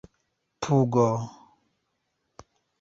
pugo